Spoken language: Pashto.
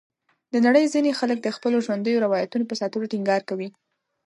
د نړۍ ځینې خلک د خپلو ژوندیو روایتونو په ساتلو ټینګار کوي.